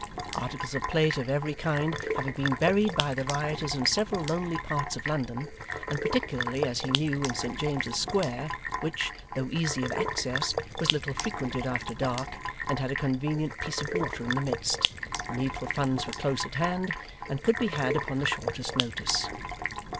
Articles of plate of every kind having been buried by the rioters in several lonely parts of London, and particularly, as he knew, in St James's Square, which, though easy of access, was little frequented after dark, and had a convenient piece of water in the midst, the needful funds were close at hand, and could be had upon the shortest notice.